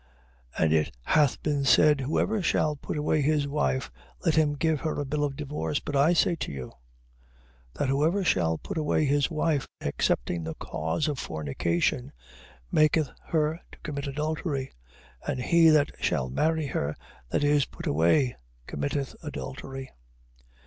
5:31. And it hath been said, Whosoever shall put away his wife, let him give her a bill of divorce. 5:32. But I say to you, that whosoever shall put away his wife, excepting the cause of fornication, maketh her to commit adultery: and he that shall marry her that is put away, committeth adultery.